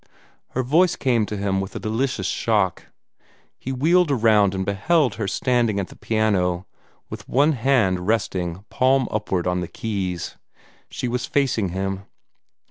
Her voice came to him with a delicious shock. He wheeled round and beheld her standing at the piano, with one hand resting, palm upward, on the keys. She was facing him.